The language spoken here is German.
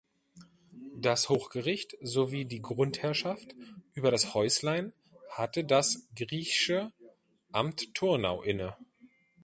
Das Hochgericht sowie die Grundherrschaft über das Häuslein hatte das Giech’sche Amt Thurnau inne.